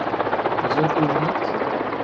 Mazal tuḍneḍ?